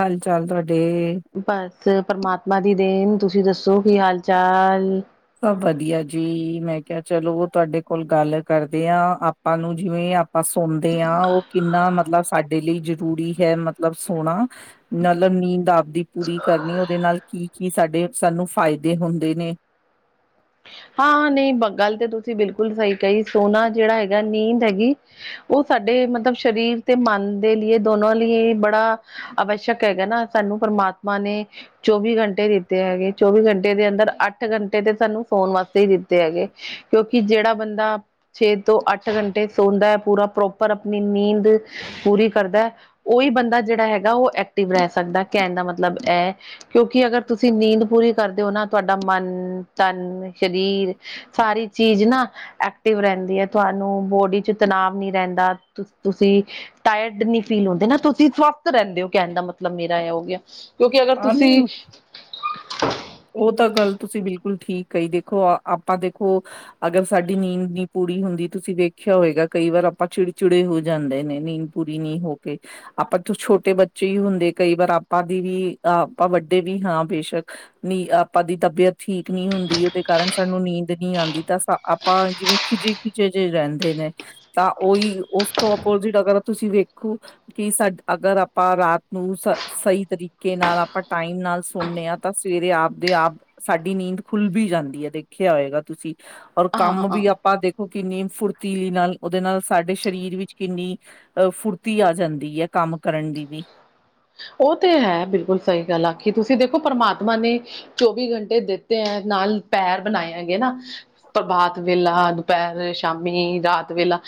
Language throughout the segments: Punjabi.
ਹਾਲ ਚਾਲ ਤੁਹਾਡੇ ਬਸ ਪਰਮਾਤਮਾ ਦੀ ਦੇਣ ਤੁਸੀਂ ਦੱਸੋ ਕੀ ਹਾਲ ਚਾਲ ਵਧੀਆ ਜੀ ਮੈਂ ਕਿਹਾ ਚਲੋ ਉਹ ਤੁਹਾਡੇ ਕੋਲ ਗੱਲ ਕਰਦੇ ਹਾਂ ਆਪਾਂ ਨੂੰ ਜਿਵੇਂ ਆਪਾਂ ਸੁਣਦੇ ਆਾਂ ਉਹ ਕਿੰਨਾ ਮਤਲਬ ਮਤਲਬ ਸਾਡੇ ਲਈ ਜਰੂਰੀ ਹੈ ਮਤਲਬ ਸੋਣਾ ਮਤਲਬ ਨੀਂਦ ਆਪਦੀ ਪੂਰੀ ਕਰਨੀ ਉਹਦੇ ਨਾਲ ਨਾਲ ਕੀ ਕੀ ਸਾਡੇ ਸਾਨੂੰ ਫਾਇਦੇ ਹੁੰਦੇ ਨੇ ਹਾਂ ਹਾਂ ਨਹੀਂ ਗੱਲ ਤੇ ਤੁਸੀਂ ਬਿਲਕੁਲ ਸਹੀ ਕਹੀ ਸੋਹਨਾ ਜਿਹੜਾ ਹੈਗਾ ਨੀਂਦ ਹੈਗੀ ਉਹ ਸਾਡੇ ਮਤਲਬ ਸਰੀਰ ਤੇ ਮਨ ਦੇ ਲਈ ਦੋਨੋ ਲਈ ਬੜਾ ਅਵਸ਼ਕ ਹੈਗਾ ਨਾ ਸਾਨੂੰ ਪਰ ਪਰਮਾਤਮਾ ਨੇ ਚੌਵੀ ਘੰਟੇ ਦਿੱਤੇ ਹੈਗੇ ਚੌਵੀ ਘੰਟੇ ਦੇ ਅੰਦਰ ਅੱਠ ਘੰਟੇ ਤੇ ਸਾਨੂੰ ਸੋਣ ਵਾਸਤੇ ਹੀ ਦਿੱਤੇ ਹੈਗੇ ਕਿਉਂਕਿ ਜਿਹੜਾ ਬੰਦਾ ਛੇ ਤੋਂ ਅੱਠ ਘੰਟੇ ਸੌਦਾ ਹੈ ਪੂਰਾ ਪ੍ਰੋਪਰ ਆਪਣੀ ਨੀਂਦ ਪੂਰੀ ਕਰਦਾ ਉਹੀ ਬੰਦਾ ਜਿਹੜਾ ਹੈਗਾ ਉਹ ਐਕਟਿਵ ਰਹਿ ਸਕਦਾ ਕਹਿਣ ਦਾ ਮਤਲਬ ਇਹ ਕਿਉਂਕਿ ਅਗਰ ਤੁਸੀਂ ਨੀਂਦ ਪੂਰੀ ਕਰਦੇ ਹੋ ਨਾ ਤੁਹਾਡਾ ਮਨ ਤਨ ਸਰੀਰ ਸਾਰੀ ਚੀਜ਼ ਨਾ ਐਕਟਿਵ ਰਹਿੰਦੀ ਹੈ ਤੁਹਾਨੂੰ ਬੋਡੀ ਚ ਤਨਾਵ ਨੀ ਰਹਿੰਦਾ ਤੁਸੀਂ ਟਾਇਰਡ ਨ ਫੀਲ ਹੁੰਦੇ ਨਾ ਤੁਸੀਂ ਸਵਸਥ ਰਹਿੰਦੇ ਹੋ ਕਹਿਣ ਦਾ ਮਤਲਬ ਮੇਰਾ ਇਹ ਹੋ ਗਿਆ ਕਿਉਂਕਿ ਅਗਰ ਆ ਨਹੀਂ ਤੁਸੀਂ ਉਹ ਤਾਂ ਗੱਲ ਤੁਸੀਂ ਬਿਲਕੁਲ ਠੀਕ ਕ ਹੀ ਦੇਖੋ ਆਪਾਂ ਦੇਖੋ ਅਗਰ ਸਾਡੀ ਨੀਂਦ ਨਹੀਂੀ ਪੂਰੀ ਹੁੰਦੀ ਤੁਸੀਂ ਦੇੇਖ ਖਿਆ ਹੋਏਗਾ ਕਈ ਵਾਰ ਆਪਾਂ ਚਿੜਚਿੜੇ ਹੋ ਜਾਂਦੇ ਨੇ ਨੀਂਦ ਪੂਰੀ ਨ ਹੋ ਕੇ ਆਪਾਂ ਤੋਂ ਛੋਟੇ ਬੱਚੇ ਹੀ ਹੁੰਦੇ ਕਈ ਵਾਰ ਆਪਾਂ ਦੀ ਵੀ ਆਪਾਂ ਵੱਡੇ ਵੀ ਹਾਂ ਬੇਸ਼ੱਕ ਨੀ ਆਪਾਂ ਦੀ ਤਬੀਅਤ ਠੀਕ ਨਹੀਂ ਹੁੰਦੀ ਉਹਦੇ ਕਾਰਨ ਸਾਨੂੰ ਨੀਂਦ ਨੀ ਆਦੀ ਤਾਂ ਆਪਾਂ ਜਿਵੇਂ ਖਿਜੇ ਖਿਜੇ ਜਿਹੇ ਰਹਿੰਦੇ ਨੇ ਤਾਂ ਉਹੀ ਉਸ ਤੋਂ ਅਗਰ ਤੁਸੀਂ ਵੇਖੋ ਕਿ ਸਾ ਅਗਰ ਆਪਾਂ ਰਾਤ ਨੂੰ ਸ ਸਹੀ ਤਰੀਕੇ ਨਾਲ ਆਪਾਂ ਟਾਈਮ ਨਾਲ ਸੁਦੇ ਹਾਂ ਤਾਂ ਸਵੇਰੇ ਆਪਦੇ ਆਪ ਸਾਡੀ ਨੀਂਦ ਖੁੱਲ ਵੀ ਜਾਂਦੀ ਹੈ ਦੇਖੀ ਹੋਏਗਾ ਤੁਸੀਂ ਔਰ ਕੰਮ ਵੀ ਹਾਂ ਆਪਾਂ ਦੇਖ ਕਿੰਨੀ ਫੁਰਤੀਲੀ ਨਾਲ ਉਹਦੇ ਨਾਲ ਸਾਡੇ ਸਰੀਰ ਵਿੱਚ ਕਿੰਨੀ ਅਹ ਫੁਰਤੀ ਆ ਜਾਂਦੀ ਹੈ ਕੰਮ ਕਰਨ ਦੀ ਵੀ [unintelligible] ਉਹ ਤੇ ਹੈ ਬਿਲਕੁਲ ਸਹੀ ਗੱਲ ਆਖੀ ਤੁਸੀਂ ਦੇਖੋ ਪਰਮਾਤਮਾ ਨੇ ਚੌਵੀ ਘੰਟੇ ਦਿੱਤੇ ਹੈ ਨਾ ਪੈਰ ਬਣਾਏਆ ਗ ਨਾ ਪ੍ਰਭਾਤ ਵੇਲਾ ਦੁਪਹਿਰ ਸ਼ਾਮੀ ਰਾਤ ਵੇਲਾ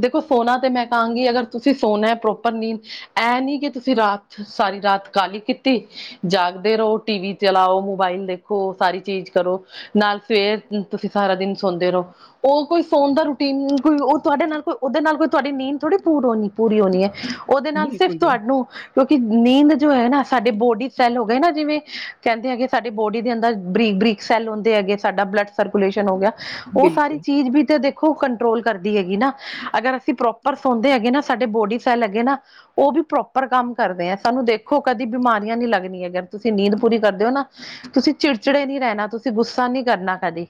ਦੇਖੋ ਸੋਨਾ ਤੇ ਮੈਂ ਕਹਾਂਗੀ ਅਗਰ ਤੁਸੀਂ ਸੋਨਾ ਹੈ ਪ੍ਰੋਪਰ ਨੀ ਇਹ ਨਹੀਂੀ ਕਿ ਤੁਸੀਂ ਰਾਤ ਸਾਰੀ ਰਾਤ ਕਾਹਲੀ ਕੀਤੀ ਜਾਗਦੇ ਰਹੋ ਟੀ ਵੀ ਚਲਾਓ ਮੋਬਾਇਲ ਦੇਖੋ ਸਾਰੀ ਚੀਜ਼ ਕਰੋ ਨਾਲ ਫਵੇਰ ਤੁਸੀਂ ਸਾਰਾ ਦਿਨ ਸੌਦੇ ਰਹੋ ਉਹ ਕੋਈ ਸੋਣ ਦਾ ਰੂਟੀਨ ਕੋਈ ਉਹ ਤੁਹਾਡੇ ਨਾਲ ਕੋਈ ਉਹਦੇ ਨਾਲ ਕੋਈ ਤੁਹਾਡੀ ਨੀਂਦ ਥੋੜ੍ਹੀ ਪੂ ਹੋਣੀ ਪੂਰੀ ਹੋਣੀ ਹੈ ਉਹਦੇ ਨਾਲ ਸਿਰਫ ਬਿਲਕੁਲ ਤੁਹਾਨੂੰ ਕਿ ਨੀਂਦ ਜੋ ਹੈ ਨਾ ਸਾਡੇ ਬੋਡੀ ਸੈੱਲ ਹੋ ਗਏ ਨਾ ਜਿਵੇਂ ਕਹਿੰਦੇ ਹੈਗੇ ਸਾਡੇ ਬੋਡੀ ਦੇ ਅੰਦਰ ਬਰੀਕ ਸੈੱਲ ਹੁੰਦੇ ਹੈਗੇ ਸਾਡਾ ਬਲੱਡ ਸਰਕੂਲੇਸ਼ਨ ਹੋ ਗਿਆ ਉਹ ਸਾਰੀ ਬਿਲਕੁਲ ਚੀਜ਼ ਵੀ ਤੇ ਕੰਟਰੋਲ ਕਰਦੀ ਹੈਗੀ ਨਾ ਅਗਰ ਅਸੀਂ ਪ੍ਰੋਪਰ ਸੌਦੇ ਹੈਗੇ ਨਾ ਸਾਡੇ ਬੋਡੀ ਸੈੱਲ ਹੈਗੇ ਨਾ ਉਹ ਵੀ ਪ੍ਰੋਪਰ ਕੰਮ ਕਰਦੇ ਹਾਂ ਸਾਨੂੰ ਦੇਖੋ ਕਦੀ ਬਿਮਾਰੀਆਂ ਨੀ ਲੱਗਦੀੀਆਂ ਹੈਗ ਤੁਸੀਂ ਨੀਂਦ ਪੂਰੀ ਕਰਦੇ ਹੋ ਨਾ ਤੁਸੀਂ ਚਿੜਚਿੜੇ ਨੀ ਰਹਿਣਾ ਤੁਸੀਂ ਗੁੱਸਾ ਨਹੀਂੀ ਕਰਨਾ ਕਦੇ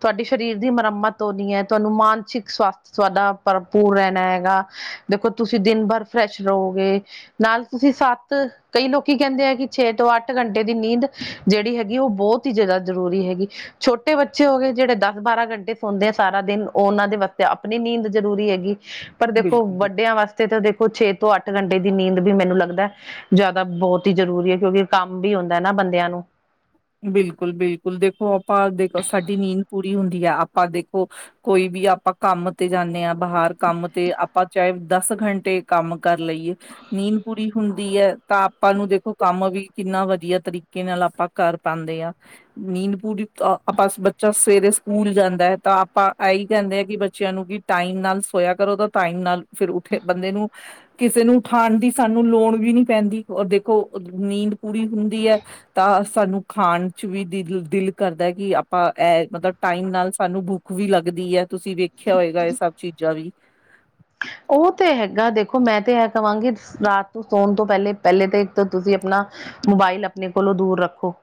ਤੁਹਾਡੇ ਸਰੀਰ ਦੀ ਮੁਰੰਮਤ ਹੋਣੀ ਹੈ ਤੁਹਾਨੂੰ ਮਾਨਸਿਕ ਸਵਾਸਥ ਸਵਾਦਾ ਭਰਪੂਰ ਰਹਿਣਾ ਹੈਗਾ ਦੇਖੋ ਤੁਸੀਂ ਦਿਨ ਭਰ ਫਰੈਸ਼ ਰਹੋਗੇ ਨਾਲ ਤੁਸੀਂ ਸੱਤ ਕਈ ਲੋਕੀ ਕਹਿੰਦੇ ਆ ਕਿ ਛੇ ਤੋਂ ਅੱਠ ਘੰਟੇ ਦੀ ਨੀਂਦ ਜਿਹੜੀ ਹੈਗੀ ਉਹ ਬਹੁਤ ਬਹੁਤ ਹੀ ਜ਼ਿਆਦਾ ਜ਼ਰੂਰੀ ਹੈਗੀ ਛੋਟੇ ਬੱਚੇ ਹੋ ਗਏ ਜਿਹੜੇ ਦਸ ਬਾਰਾਂ ਘੰਟੇ ਸੌਦੇ ਆ ਸਾਰਾ ਦਿਨ ਉਹਨਾਂ ਦੇ ਵ ਤੇ ਆਪਣੀ ਨੀਂਦ ਜ਼ਰੂਰੀ ਹੈਗੀ ਪਰ ਦੇਖੋ ਬਿਲਕੁਲ ਵੱਡਿਆਂ ਵਾਸਤੇ ਤਾਂ ਦੇਖੋ ਛੇ ਤੋਂ ਅੱਠ ਘੰਟੇ ਦੀ ਨੀਂਦ ਵੀ ਮੈਨੂੰ ਲੱਗਦਾ ਜ਼ਿਆਦਾ ਬਹੁਤ ਹੀ ਜ਼ਰੂਰੀ ਹੈ ਕਿਉਂਕਿ ਕੰਮ ਵੀ ਹੁੰਦਾ ਨਾ ਬੰਦਿਆਂ ਨੂੰ ਬਿਲਕੁਲ ਬਿਲਕੁਲ ਦੇਖੋ ਆਪਾਂ ਦੇਖੋ ਸਾਡੀ ਨੀਂਦ ਪੂਰੀ ਹੁੰਦੀ ਹੈ ਆਪਾਂ ਦੇਖੋ ਕੋਈ ਵੀ ਵੀ ਆਪਾਂ ਕੰਮ ਤੇ ਜਾਂਦੇ ਹਾਂ ਬਾਹਰ ਕੰਮ ਤੇ ਆਪਾਂ ਚਾਹੇ ਦਸ ਘੰਟੇ ਕੰਮ ਕਰ ਲਈਏ ਨੀਂਦ ਪੂਰੀ ਹੁੰਦੀ ਹੈ ਤਾਂ ਆਪਾਂ ਨੂੰ ਦੇਖੋ ਕੰਮ ਵੀ ਕਿੰਨਾ ਵਧੀਆ ਤਰੀਕੇ ਨਾਲ ਆਪਾਂ ਕਰ ਪਾਉਂਦੇ ਆ ਨੀਂਦ ਪੂਰੀ ਆਪਾਂ ਬੱਚਾ ਸਵੇਰੇ ਸਕੂਲ ਜਾਂਦਾ ਹੈ ਤਾਂ ਆਪਾਂ ਕਹਿੰਦੇ ਆ ਕਿ ਬੱਚਿਆਂ ਨੂੰ ਕਿ ਟਾਈਮ ਨਾਲ ਸੋਇਆ ਕਰੋ ਤਾਂ ਟਾਈਮ ਨਾਲ ਫਿਰ ਉੱਠੇ ਬੰਦੇ ਨੂੰ ਕਿਸੇ ਨੂੰ ਉਠਾਣ ਦੀ ਸਾਨੂੰ ਲੋੜ ਵੀ ਨੀ ਪੈਂਦੀ ਔਰ ਦੇਖੋ ਨੀਂਦ ਪੂਰੀ ਹੁੰਦੀ ਹੈ ਤਾਂ ਸਾਨੂੰ ਖਾਣ ਚ ਵੀ ਦਿਲ ਦਿਲ ਕਰਦਾ ਕਿ ਆਪਾਂ ਇਹ ਮਤਲਬ ਟਾਈਮ ਨਾਲ ਸਾਨੂੰ ਭੁੱਖ ਵੀ ਲੱਗ ਦੀ ਹੈ ਤੁਸੀਂ ਵੇਖਿਆ ਹੋਏਗਾ ਇਹ ਸਭ ਚੀਜ਼ਾਂ ਵੀ [inaudible] ਉਹ ਤੇ ਹੈਗਾ ਦੇਖੋ ਮੈਂ ਤੇ ਇਹ ਕਹਾਂਗੀ ਰਾਤ ਨੂੰ ਸੋਣ ਤੋਂ ਪਹਿਲੇ ਪਹਿਲੇ ਤਾਂ ਇੱਕ ਤੁਸੀਂ ਆਪਣਾ ਮੋਬਾਇਲ ਆਪਣੇ ਕੋਲੋਂ ਦੂਰ ਰੱਖੋ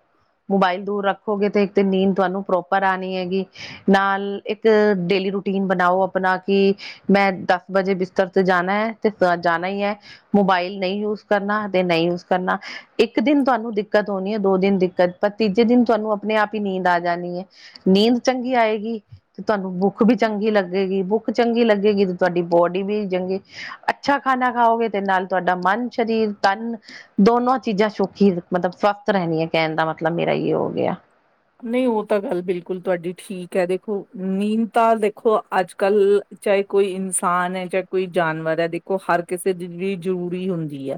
ਮੋਬਾਇਲ ਦੂਰ ਰੱਖੋਗੇ ਤੇ ਇੱਕ ਤੇ ਨੀਂਦ ਤੁਹਾਨੂੰ ਪ੍ਰੋਪਰ ਆਣੀ ਹੈਗੀ ਨਾਲ ਇੱਕ ਰੂਟੀਨ ਬਣਾਓ ਆਪਣਾ ਕਿ ਮੈਂ ਦੱਸ ਵਜੇ ਬਿਸਤਰ ਤੇ ਜਾਣਾ ਐ ਤੇ ਜਾਣਾ ਈਏ ਮੋਬਾਈਲ ਨਈਂ ਯੂਜ ਕਰਨਾ ਤੇ ਨਈਂ ਯੂਜ ਕਰਨਾ। ਇੱਕ ਦਿਨ ਤੁਹਾਨੂੰ ਦਿੱਕਤ ਹੋਣੀ ਹੈ ਦੋ ਦਿਨ ਦਿੱਕਤ ਪਰ ਤੀਜੇ ਦਿਨ ਤੁਹਾਨੂੰ ਆਪਣੇ ਆਪ ਹੀ ਨੀਂਦ ਆ ਜਾਣੀ ਹੈ ਨੀਂਦ ਚੰਗੀ ਆਏਗੀ ਤੇ ਤੁਹਾਨੂੰ ਬੁੱਖ ਵੀ ਚੰਗੀ ਲੱਗੇਗੀ ਬੁੱਖ ਚੰਗੀ ਲੱਗੇਗੀ ਤੇ ਤੁਹਾਡੀ ਬੋਡੀ ਵੀ ਜੰਗੀ ਅੱਛਾ ਖਾਣਾ ਖਾਓਗੇ ਤੇ ਨਾਲ ਤੁਹਾਡਾ ਮਨ ਸਰੀਰ ਤਨ ਦੋਨੋ ਚੀਜ਼ਾਂ ਸੌਖੀ ਮਤਲਬ ਸਵਸਥ ਰਹਿਣੀੀਆਂ ਕਹਿਣ ਦਾ ਮਤਲਬ ਮੇਰਾ ਹੋ ਗਿਆ ਨਹੀਂ ਉਹ ਤਾਂ ਗੱਲ ਬਿਲਕੁਲ ਤੁਹਾਡੀ ਠੀਕ ਹੈ ਦੇਖੋ ਨੀਂਦ ਤਾਂ ਦੇਖੋ ਅੱਜ ਕੱਲ ਚਾਹੇ ਕੋਈ ਇਨਸਾਨ ਹੈ ਚਾਹੇ ਕੋਈ ਜਾਨਵਰ ਹੈ ਦੇਖੋ ਹਰ ਕਿਸੇ ਦੀ ਜਿ ਜ਼ਰੂਰੀ ਹੁੰਦੀ ਹੈ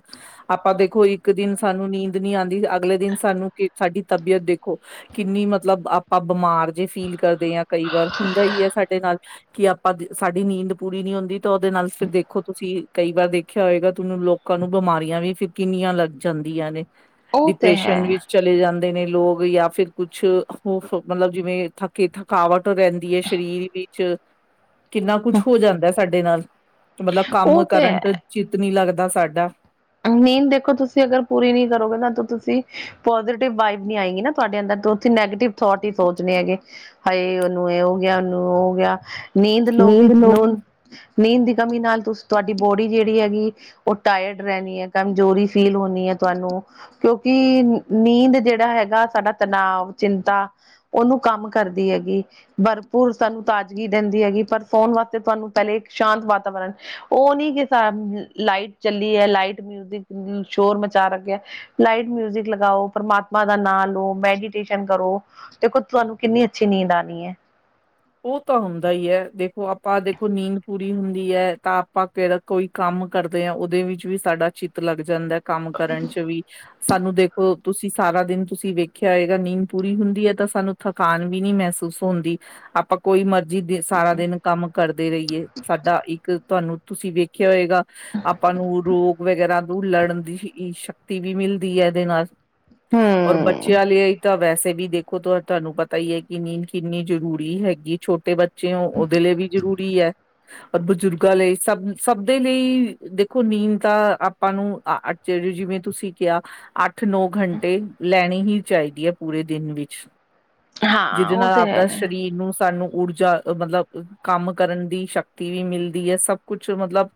ਆਪਾਂ ਦੇਖੋ ਇੱਕ ਦਿਨ ਸਾਨੂੰ ਨੀਂਦ ਨਹੀਂੀ ਆਉਂਦੀ ਅਗਲੇ ਦਿਨ ਸਾਨੂੰ ਸਾਡੀ ਤਬੀਅਤ ਦੇਖੋ ਕਿੰਨੀ ਮਤਲਬ ਆਪਾਂ ਬਿਮਾਰ ਜੇ ਫੀਲ ਕਰਦੇ ਹਾਂ ਕਈ ਵਾਰ ਹੁੰਦਾ ਹੀ ਹੈ ਸਾਡੇ ਨਾਲ ਕਿ ਆਪਾਂ ਸਾਡੀ ਨੀਂਦ ਪੂਰੀ ਨੀ ਹੁੰਦੀ ਤਾਂ ਉਹਦੇ ਨਾਲ ਫਿਰ ਦੇਖੋ ਤੁਸੀਂ ਕਈ ਵਾਰ ਦੇਖਿਆ ਹੋਏਗਾ ਤਨੂੰ ਲੋਕਾਂ ਨੂੰ ਬਿਮਾਰੀਆਂ ਵੀ ਕਿੰਨੀਆਂ ਲੱਗ ਜਾਂਦੀਆਂ ਨੇ ਉਹ ਤੇ ਹੈ। ਡਿਪ੍ਰੈਸ਼ਨ ਵਿੱਚ ਚਲੇ ਜਾਂਦੇ ਨੇ ਲੋਕ ਜਾਂ ਫਿਰ ਕੁਛ ਉਹੈਐ ਮਤਲਬ ਜਿਵੇਂ ਥੱਕ ਥਕਾਵਟ ਰਹਿੰਦੀ ਹੈ ਸਰੀਰ ਵਿੱਚ ਕਿੰਨਾ ਕੁਛ ਹੋ ਜਾਂਦਾ ਸਾਡੇ ਨਾਲ ਮਤਲਬ ਕੰਮ ਉਹ ਕਰੰਟ ਚਿੱਤ ਨ ਲੱਗਦਾ ਸਾਡਾ ਮੇਨ ਦੇਖੋ ਤੁਸੀਂ ਅਗਰ ਪੂਰੀ ਨੀ ਕਰੋਗੇ ਨਾ ਤਾਂ ਤੁਸੀਂ ਪੋਜ਼ਟਿਵ ਵਾਈਬ ਨ ਆਏਗੀ ਨਾ ਤੁਹਾਡੇ ਅੰਦਰ ਉਸੀਂ ਨੈਗੇਟਿਵ ਥੋਟ ਹੀ ਸੋਚਣੇ ਹੈਗੇ ਹਏ ਉਹਨੂੰ ਇਹ ਹੋ ਗਿਆ ਉਹਨੂੰ ਹੋ ਗਿਆ ਨੀਂਦ ਲੋਗੇ ਨੂਨ ਨੀਂਦ ਦੀ ਕਮੀ ਨਾਲ ਤੁਸੀਂ ਤੁਹਾਡੀ ਬੋਡੀ ਜਿਹੜੀ ਹੈਗੀ ਉਹ ਟਾਇਡ ਰਹਿਣੀ ਹੈ ਕਮਜ਼ੋਰੀ ਫੀਲ ਹੋਣੀ ਹੈ ਤੁਹਾਨੂੰ ਕਿਉਂਕਿ ਨੀਂਦ ਜਿਹੜਾ ਹੈਗਾ ਸਾਡਾ ਤਨਾਵ ਚਿੰਤਾ ਉਹਨੂੰ ਕੰਮ ਕਰਦੀ ਹੈਗੀ ਭਰਪੂਰ ਸਾਨੂੰ ਤਾਜ਼ਗੀ ਦਿੰਦੀ ਹੈਗੀ ਪਰ ਫੋਨ ਵਾਸਤੇ ਤੁਹਾਨੂੰ ਪਹਿਲੇ ਇੱਕ ਸ਼ਾਂਤ ਵਾਤਾਵਰਨ ਉਹ ਨਹੀਂੀ ਕਿ ਲਾਈਟ ਚੱਲ ਲਾਈਟ ਮਿਊਜਿਕ ਸ਼ੋਰ ਮਚਾ ਰੱਖਿਆ ਲਾਈਟ ਮਿਊਜਿਕ ਲਗਾਓ ਪ੍ਰਮਾਤਮਾ ਦਾ ਨਾਂ ਲੋ ਮੈਡੀਟੇਸ਼ਨ ਕਰੋ ਤੇ ਕੁ ਤੁਹਾਨੂੰ ਕਿੰਨੀ ਅੱਛੀ ਨੀਂਦ ਆਣੀ ਐ। ਉਹ ਤਾਂ ਹੁੰਦਾ ਈ ਐ, ਦੇਖੋ ਆਪਾਂ ਦੇਖੋ ਨੀਂਦ ਪੂਰੀ ਹੁੰਦੀ ਐ ਤਾਂ ਆਪਾਂ ਕੇੜਾ ਕੋਈ ਕੰਮ ਕੰਮ ਕਰਦੇ ਆਂ ਉਹਦੇ ਵਿੱਚ ਵੀ ਸਾਡਾ ਚਿੱਤ ਲੱਗ ਜਾਂਦਾ ਐ ਕੰਮ ਕਰਨ ਚ ਵੀ ਸਾਨੂੰ ਦੇਖੋ ਤੁਸੀਂ ਸਾਰਾ ਦਿਨ ਤੁਸੀਂ ਵੇਖਿਆ ਹੋਏਗਾ ਨੀਂਦ ਪੂਰੀ ਹੁੰਦੀ ਐ ਤਾਂ ਸਾਨੂੰ ਥਕਾਨ ਵੀ ਨੀਂ ਮਹਿਸੂ ਮਸੂਸ ਹੁੰਦੀ ਆਪਾਂ ਕੋਈ ਮਰਜੀ ਸਾਰਾ ਦਿਨ ਕੰਮ ਕਰਦੇ ਰਹੀਏ ਸਾਡਾ ਇੱਕ ਤੁਹਾਨੂੰ ਤੁਸੀਂ ਵੇਖਿਆ ਹੋਏਗਾ ਆਪਾਂ ਨੂੰ ਰੋਗ ਵਗੈਰਾ ਨੂੰ ਲੜਨ ਦੀ ਸ਼ਕਤੀ ਵੀ ਮਿਲ ਮਿਲਦੀ ਐ ਇਹਦੇ ਨਾਲ ਔਰ ਹਮ ਬੱਚਿਆਂ ਲਈ ਤਾਂ ਵੈਸੇ ਵੀ ਦੇਖੋ ਤੁਹਾਨੂੰ ਪਤਾ ਹੀ ਐ ਕਿ ਨੀਂਦ ਕਿੰਨੀ ਜ਼ਰੂਰੀ ਹੈਗੀ ਛੋਟੀ ਬੱਚੇ ਹੋ ਉਹਦੇ ਲਈ ਵੀ ਜ਼ਰੂਰੀ ਐ। ਔਰ ਬਜ਼ੁਰਗਾਂ ਲਈ ਸਭ ਸਭ ਦੇ ਲਈ ਦੇਖੋ ਨੀਂਦ ਤਾਂ ਆਪਾਂ ਨੂੰ ਅ ਜ ਜਿਵੇਂ ਤੁਸੀਂ ਕਿਹਾ ਅੱ ਅੱਠ ਨੌ ਘੰਟੇ ਲੈਣੀ ਹੀ ਚਾਈਦੀ ਹੈ ਪੂਰੇ ਦਿਨ ਵਿੱਚ ਹਾਂ ਜਿਹਦੇ ਉਹ ਨਾਲ ਤੇ ਆਪਦਾ ਹੈ ਸਰੀਰ ਨੂੰ ਸਾਨੂੰ ਊਰਜਾ ਮਤਲਬ ਕੰਮ ਕਰਨ ਦੀ ਸ਼ਕਤੀ ਵੀ ਮਿਲਦੀ ਐ ਸਭ ਕੁਛ ਮਤਲਬ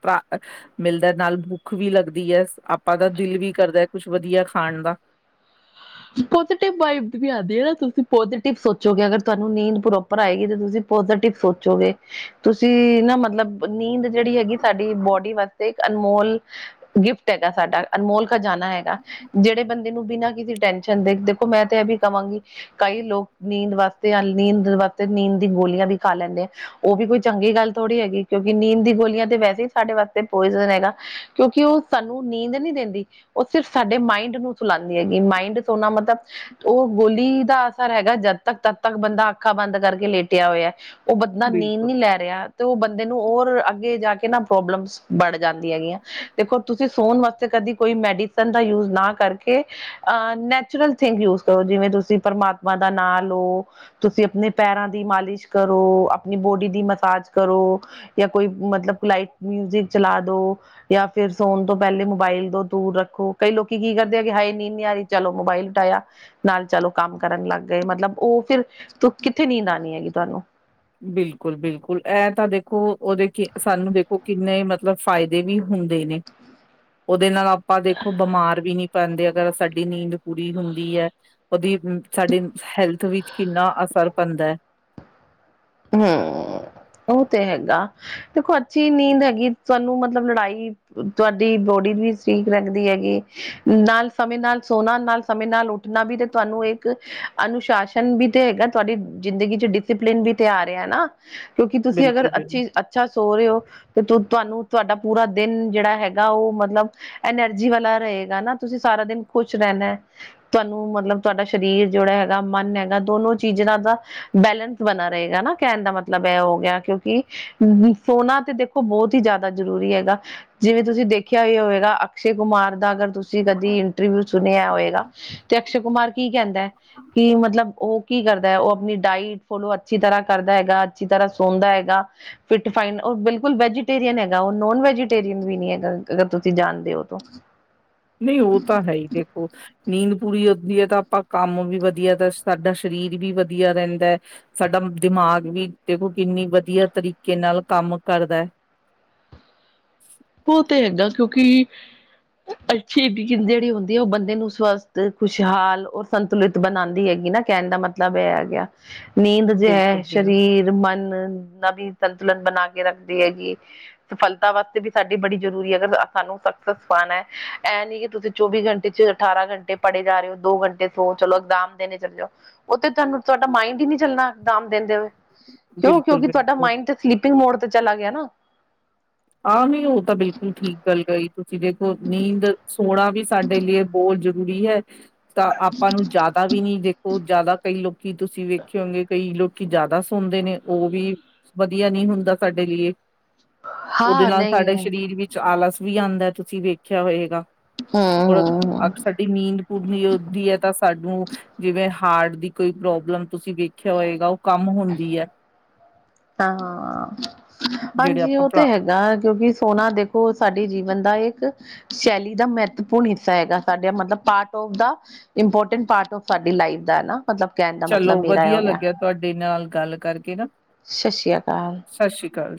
ਮਿਲਦਾ ਨਾਲ ਭੁੱਖ ਵੀ ਲੱਗਦੀ ਐ ਆਪਾਂ ਦਾ ਦਿਲ ਵੀ ਕਰਦਾ ਹੈ ਕੁਛ ਵਧੀਆ ਖਾਣ ਦਾ [unintelligible] ਪੋਸਟਿਵ ਵਾਇਬ ਨਈਂ ਆਂਦੀਆਂ ਨਾਂ ਤੁਸੀਂ ਪੋਜੀਟਿਵ ਸੋਚੋਗੇ ਅਗਰ ਤੁਹਾਨੂੰ ਨੀਂਦ ਪ੍ਰੋਪਰ ਆਏਗੀ ਤੇ ਤੁਸੀਂ ਪੋਜ਼ਟਿਵ ਸੋਚੋਗੇ ਤੁਸੀਂ ਨਾ ਮਤਲਬ ਨੀਂਦ ਜਿਹੜੀ ਹੈਗੀ ਸਾਡੀ ਬੋਡੀ ਵਾਸਤੇ ਇੱਕ ਅਨਮੋਲ ਗਿਫਟ ਹੈਗਾ ਸਾਡਾ ਅਨਮੋਲ ਜਾਣਾ ਹੈਗਾ ਜਿਹੜੇ ਬੰਦੇ ਨੂੰ ਬਿਨਾਂ ਕਿਸੇ ਟੈਂ ਦੇ ਦੇਖੋ ਮੈਂ ਤਾਂ ਇਹ ਵੀ ਕਹਾਂਗੀ ਕਈ ਲੋਕ ਨੀਂਦ ਵਾਸਤੇ ਨੀਂਦ ਵਾਸਤੇ ਨੀਂਦ ਦੀ ਗੋਲੀਆਂ ਵੀ ਖਾ ਲੈਂਦੇ। ਉਹ ਵੀ ਕੋਈ ਚੰਗੀ ਗੱਲ ਥੋੜ੍ਹੀ ਹੈਗੀ ਕਿਉਂਕਿ ਨੀਂਦ ਦੀ ਗੋਲੀਆਂ ਤੇ ਵੈਸੇ ਹੀ ਸਾਡੇ ਵਾਸਤੇ ਪੋਇਜ਼ਨ ਹੈਗੇ। ਕਿਉਂਕਿ ਉਹ ਸਾਨੂੰ ਨੀਂਦ ਨਹੀਂ ਦਿੰਦੀ ਉਹ ਸਿਰਫ ਸਾਡੇ ਮਾਇਂੰਡ ਨੂੰ ਸੁਲਾਂਦੀ ਹੈਗੀ। ਮਾਇਂਡ ਸੋਨਾ ਮਤਲਬ ਉਹ ਗੋਲੀ ਦਾ ਅਸਰ ਹੈਗਾ ਜਦ ਤੱਕ ਤਦ ਤੱਕ ਬੰਦਾ ਅੱਖਾਂ ਬੰਦ ਕਰਕੇ ਲੇਟਿਆ ਹੋਇਆ। ਔ ਬਦਾਂ ਬਿਲਕੁਲ ਨੀਂਦ ਨੀ ਲੈ ਰਿਆ ਤੇ ਔ ਬੰਦੇ ਨੂੰ ਔਰ ਅੱਗੇ ਜਾ ਕੇ ਨਾ ਪ੍ਰੋਬਲਮਸ ਬੜ ਜਾਂਦੀ ਹੈਗੀਐਂ, ਦੇਖੋ ਤੁਸੀਂ ਸੋਣ ਵਾਸ ਕਦੀ ਕੋਈ ਮੈਡੀਸਨ ਦਾ ਯੂਜ ਨਾਂ ਕਰਕੇ ਅਹ ਨੈ ਨੈਚੁਰਲ ਥਿੰਗ ਯੂਜ ਕਰੋ ਜਿਵੇਂ ਤੁਸੀਂ ਪ੍ਰਮਾਤਮਾ ਦਾ ਨਾਂ ਲੋ, ਤੁਸੀਂ ਅਪਣੇ ਪੈਰਾਂ ਦੀ ਮਾਲਿਸ਼ ਕਰ ਕਰੋ, ਆਪਣੀ ਬੋਡੀ ਦੀ ਮਸਾਜ ਕਰੋ ਯਾ ਕੋਈ ਮਤਲਬ ਲਾਈਟ ਮਿਊਜਿਕ ਚਲਾ ਦੋ। ਯਾ ਫਿਰ ਸੋਣ ਤੋਂ ਪੈਲੇ ਮੋਬਾਈਲ ਤੋਂ ਦੂਰ ਰੱਖੋ, ਕਈ ਲੋਕੀ ਕੀ ਕਰਦੇ ਆ ਕਿ ਹਾਏ ਨੀਂ ਆਰੀ ਚਲੋ ਮੋਬਾਇਲ ਉਟਾਇਆ ਨਾਲ ਚਲੋ ਕੰਮ ਕਰਨ ਲੱਗ ਗਏ, ਮਤਲਬ ਔ ਫਿਰ ਤੂੰ ਕਿੱਥੇ ਨੀਂਦ ਆਣੀ ਹੈਗੀ ਤੁਹਾਨੂੰ। ਬਿਲਕੁਲ ਬਿਲਕੁਲ ਐ ਤਾਂ ਦੇਖੋ, ਔਦੇ ਕੇ ਸਾਨੂੰ ਵੇਖੋ ਕਿੰਨੇ ਮਤਲਬ ਫਾਇਦੇ ਵੀ ਹੁੰਦੇ ਨੇ, ਔਦੇ ਨਾਲ ਆਪਾਂ ਦੇਖੋ ਬਿਮਾਰ ਵੀ ਨੀਂ ਪੈੰਦੇ ਅਗਰ ਸਾਡੀ ਨੀਂਦ ਪੂਰੀ ਹੁੰਦੀ ਐ, ਔਦੀ ਸਾਡੇ ਹੈਲਥ ਵਿੱਚ ਕਿੰਨਾ ਅਸਰ ਪੈਂਦੈ। ਹਂ, ਓਹ ਤੇ ਹੈਗਾ। ਦੇਖੋ ਅੱਛੀ ਨੀਂਦ ਹੈਗੀ, ਸਾਨੂੰ ਮਤਲਬ ਲੜਾਈ ਤੁਆਡੀ ਬੋਡੀ ਵੀ ਠੀਕ ਰੱਖਦੀ ਹੈਗੀ। ਨਾਲ ਸਮੇਂ ਨਾਲ ਸੋਣਾ, ਨਾਲ ਸਮੇਂ ਨਾਲ ਉੱਠਣਾ ਬੀ ਤੇ ਤੁਵਾਨੂੰ ਏਕ ਅਨੁਸ਼ਾਸਨ ਬੀ ਤੇ ਹੈਗੈ, ਤੁਹਾਡੀ ਜ਼ਿੰਦਗੀ ਚ ਡਿਸੀਪਲੇਨ ਵੀ ਤੇ ਆ ਰਿਐ ਨਾਂ, ਕਿਉਂਕਿ ਤੁਸੀਂ ਅਗਰ ਬਿਲਕੁਲ, ਬਿਲਕੁਲ ਅੱਛੀ ਅੱਛਾ ਸੋ ਰੇ ਹੋ, ਤੇ ਤੁ ਤੁਵਾਨੂੰ ਤੁਵਾਡਾ ਪੂਰਾ ਦੇਨ ਜੇੜਾ ਹੈਗਾ, ਓਹ ਮਤਲਬ ਐਨਰਜੀ ਵਾਲਾ ਰਏ ਰਏਗਾ ਨਾਂ, ਤੁਸੀਂ ਸਾਰਾ ਦਿਨ ਖੁਸ਼ ਰੈਣੈ। ਤਾਨੂੰ ਮਤਲਬ ਤਵਾਡਾ ਸਰੀਰ ਜੇੜਾ ਹੈਗਾ ਮਨ ਹੈਗਾ ਦੋ ਦੋਨੋ ਚੀਜ਼ੜਾ ਦਾ ਬੈਲੈਂਸ ਬਣਾ ਰਏਗਾ ਨਾ ਕੈਣ ਦਾ ਮਤਲਬ ਐ ਹੋ ਗਿਆ, ਕਿਉਂਕਿ ਸੋਨਾਂ ਤੇ ਦੇਖੋ ਬੌਤ ਹੀ ਜਾਦਾ ਜ਼ਰੂਰੀ ਹੈਗਾ। ਜਿਵੇਂ ਤੁਸੀਂ ਦੇਖਿਆ ਈ ਹੋਏਗਾ, ਅਕਸ਼ੇ ਕੁਮਾਰ ਦਾ ਅਗਰ ਤੁਸੀਂ ਕਦੀ ਇੰਟਰਵਿਊ ਸੁਣਿਆ ਹੋਏਗਾ, ਤੇ ਅਕਸ਼ੇ ਕੁਮਾਰ ਕੀ ਕੈੰਦੈ ਕਿ ਮਤਲਬ ਓਹ ਕੀ ਕਰਦੈ? ਓਹ ਅਪਣੀ ਡਾਇਟ ਫੋਲੋ ਅਤ ਅੱਛੀ ਤਰ੍ਹਾਂ ਕਰਦਾ ਹੈਗਾ, ਅੱਛੀ ਤਰ੍ਹਾਂ ਸੋੰਦਾ ਹੈਗਾ, ਫਿਟ ਫਾਈਨ। ਓਹ ਬਿਲਕੁਲ ਵੈਜੀਟੇਰੀਅਨ ਹੈਗਾ, ਓਹ ਨੋਨ ਵੈ ਵੈਜੀਟੇਰਿਅਣ ਵੀ ਨੀਂ ਹੈਗਾ, ਅਗਰ ਤੁਸੀਂ ਜਾਣਦੇ ਹੋ ਤੋ। ਨਈਂ ਓਹ ਤਾਂ ਹੈ ਈ ਦੇਖੋ, ਨੀਂਦ ਪੂਰੀ ਹੁੰਦੀ ਏ ਤਾਂ ਅਪਾਂ ਕੰਮ ਵੀ ਵਧੀਆ ਤਾਂ ਸਾਡਾ ਸਰੀਰ ਵੀ ਵਧੀਆ ਰੈੰਦੈ, ਸਾਡਾ ਦਿਮਾਗ ਦਿਮਾਗ ਵੀ ਦੇਖੋ ਕਿੰਨੀ ਵਧੀਆ ਤਰੀਕੇ ਨਾਲ ਕੰਮ ਕਰਦੈ। ਓਹ ਤੇ ਹੈਣਾ ਕਿਉਂਕਿ ਅੱਛੀ ਬੀੰਦ ਜੇੜੀ ਹੋੰਦੀ ਏ ਔ ਬੰਦੇ ਨੂੰ ਸਵਸਥ ਖੁਸ਼ਹਾਲ ਔਰ ਸੰਤੁਲਿਤ ਬਣਾਂਦੀ ਹੈਗ ਗੀ ਨਾ ਕੈਣ ਦਾ ਮਤਲਬ ਏਹ ਐ ਗਿਆ, ਨੀਂਦ ਜੇ ਹੈ ਬਿਲਕੁਲ, ਬਿਲਕੁਲ, ਸਰੀਰ ਮਨ ਨਬੀ ਸੰਤੁਲਨ ਬਣਾ ਕੇ ਰੱਖਦੀ ਹੈਗੀ। ਸਫਲਤਾ ਵਾਸਤੇ ਵੀ ਸਾਡੀ ਬੜੀ ਜ਼ਰੂਰੀ ਐ। ਅਗਰ ਸਾਨੂੰ ਸਕਸੱਸ ਪਾਣੈ, ਐ ਨੀ ਕਿ ਤੁਸੀਂ ਚੌਵੀ ਘੰਟੇ ਚ ਅਠਾਰਾਂ ਘੰਟੇ ਪੜ੍ਹ ੜੇ ਜਾ ਰੇ ਔ ਦੋ ਘੰਟੇ ਸੋ ਚਲੋ ਐਗਜਾਮ ਦੇਣੇ ਚੱਲੇ ਜਾਓ। ਔਤੇ ਤੁਹਾਨੂੰ ਤੁਹਾਡਾ ਮਾਇੰਡ ਹੀ ਨੀ ਚੱਲਣਾ ਐਗਜਾਮ ਦੇੰੰਦੇ ਹੋਏ। ਕਿਉਂ ਬਿਲਕੁਲ, ਕਿਉਂਕਿ ਤੁਹਾਡਾ ਬਿਲਕੁਲ। ਮਾਈੰਡ ਤੇ ਸਲੀਪਿੰਗ ਮੋਡ ਤੇ ਚਲਾ ਗਿਆ ਨਾ। ਆਹ ਨਹੀਂ ਔਤਾਂ ਬਿਲਕੁਲ ਠੀਕ ਗੱਲ ਗਹੀ ਤੁਸੀਂ ਦੇਖੋ, ਨੀਂਦ ਸੋਣਾ ਵੀ ਸਾਡੇ ਲੀਏ ਬੋਤ ਜ਼ਰੂਰੀ ਹੈ, ਤਾਂ ਆਪਾਂ ਨੂੰ ਜੈਦਾ ਵੀ ਨੀ ਦੇਖੋ, ਜੈਦਾ ਕਈ ਲੋਕ ਕੀ ਤੁਸੀਂ ਵੇਖੇ ਹੋਣਗੇ ਕਈ ਲੋਕੀ ਜੈਦਾ ਸੋੰਦੇ ਨੇ ਓਹ ਵੀ ਵਧੀਆ ਨੀ ਹੁੰਦਾ ਸਾਡੇ ਲੀਏ। [inaudible] ਉਦੇ ਹਾਂ ਨਾਲ ਸਾਡੇ ਨਹੀਂ ਹਮ ਸਰੀਰ ਵਿੱਚ ਆਲਸ ਵੀ ਆੰਦੈ, ਤੁਸੀਂ ਵੇਖਿਆ ਹੋਏਗਾ। ਔਰ ਅ ਹਮ ਅਬ ਸਾਡੀ ਨੀਂਦ ਪੂਰਣੀ ਹੋੰਦੀ ਐ ਤਾਂ ਸਾਨੂੰ ਜਿਵੇਂ ਹਾਰਟ ਦੀ ਕੋਈ ਪ੍ਰੋਬਲਮ ਤੁਸੀਂ ਵੇਖਿਆ ਹੋਏਗਾ ਓਹ ਕੰਮ ਹੁੰਦੀ ਐ। ਹੈ ਹਾਂਅ। ਜਿਹੜੇ ਹਾਂਜੀ ਆਪਾਂ ਔ ਤੇ ਭਰਾ। ਹੈਗਾ ਆ, ਕਿਉਂਕਿ ਸੋਨਾ ਦੇਖੋ ਸਾਡੀ ਜੀਵਨ ਦਾ ਏਕ ਕ ਸ਼ੈਲੀ ਦਾ ਮਹੱਤਵਪੂਰਨ ਹਿੱਸਾ ਹੈਗਾ, ਸਾਡਾ ਮਤਲਬ ਪਾਰਟ ਔਫ ਦਾ ਇੰਪੋਰਟੈਂਟ ਪਾਰਟ ਔਫ ਸਾਡੀ ਲਾਈਫ ਦਾ ਨਾ। ਮਤਲਬ ਕਹਿਣ ਦਾ ਚਲੋ, ਮਤਲਬ ਮੇਰਾ ਹੋ ਵਧੀਆ ਗਿਆ ਲੱਗਿਆ ਤੁਹਾਡੇ ਨਾਲ ਗੱਲ ਕਰਕੇ ਨਾ। ਸਤਿ ਸ਼੍ਰੀ ਅਕਾਲ। ਸਤਿ ਸ੍ਰੀ ਅਕਾਲ